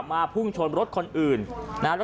ก็แค่มีเรื่องเดียวให้มันพอแค่นี้เถอะ